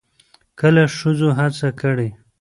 کله ښځو هڅه کړې